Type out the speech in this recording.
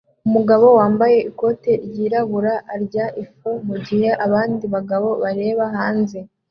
Umugabo wambaye ikote ryirabura arya ifu mugihe abandi bagabo bareba hanze